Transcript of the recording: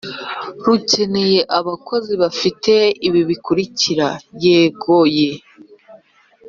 rukeneye abakozi bafite ibi bikurikira, yego ye